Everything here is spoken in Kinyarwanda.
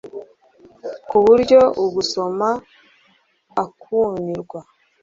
Ku buryo agusoma ukumirwa